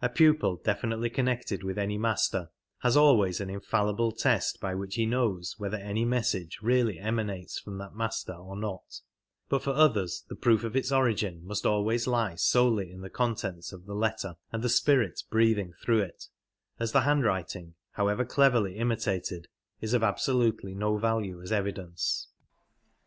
A pupil definitely connected with any Master has always an infallible test by which he knows whether any message really emanates from that Master or not, but for others the proof of its origin must always lie solely in the contents of the letter and the spirit breathing through it, as the handwriting, however cleverly imitated, is of absolutely no value as evidence.